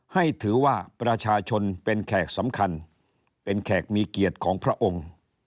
ให้ถือว่าประชาชนเป็นแขกสำคัญเป็นแขกมีเกียรติของพระองค์